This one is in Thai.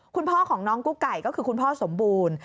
คุณพ่อของน้องกุ๊กไก่ก็คือคุณพ่อสมบูรณ์